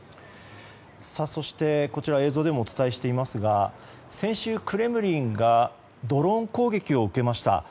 そして、映像でもお伝えしていますが先週、クレムリンがドローン攻撃を受けました。